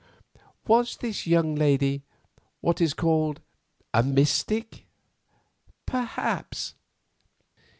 "Was this young lady what is called a mystic?" "Perhaps.